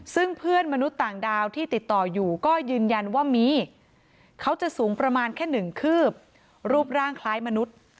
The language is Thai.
ซึ่งเพื่อนมนุษย์ต่างดาวที่ติดต่ออยู่ก็ยืนยันว่ามีเขาจะสูงประมาณแค่หนึ่งคืบรูปร่างคล้ายมนุษย์